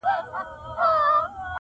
حق لرمه والوزم اسمان ته الوته لرم.